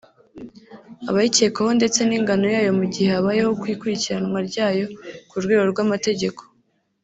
abayikekwaho ndetse n’ingano yayo mu gihe habayeho ikurikiranwa ryayo ku rwego rw’amategeko